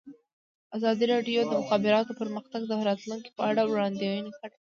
ازادي راډیو د د مخابراتو پرمختګ د راتلونکې په اړه وړاندوینې کړې.